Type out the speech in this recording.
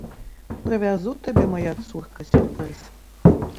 Прывязу табе, мая цурка, сюрпрыз.